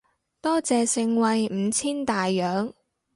多謝盛惠五千大洋